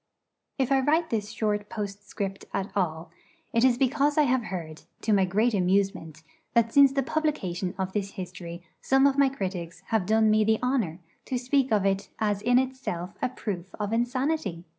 If I write this short postscript at all, it is because I have heard, to my great amusement, that since the publication of this history some of my critics have done me the honour to speak of it as in itself a proof of insanity!